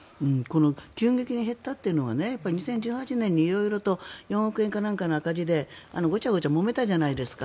急激に減ったというのが２０１８年に色々と４億円かなんかの赤字でごちゃごちゃもめたじゃないですか。